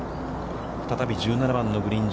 再び１７番のグリーン上。